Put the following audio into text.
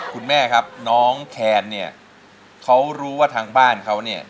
คุณแม่ครับน้องแคนเนี่ยเขารู้ว่าทางบ้านเขาเนี่ย